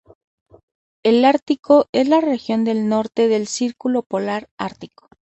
El Ártico es la región norte del círculo polar ártico.